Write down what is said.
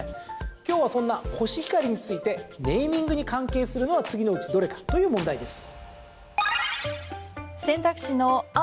今日はそんなコシヒカリについてネーミングに関係するのは次のうちどれか？という問題です。